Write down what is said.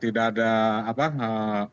tidak ada apa apa